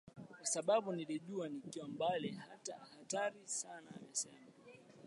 kwasababu nilijua niko mahali hatari sana amesema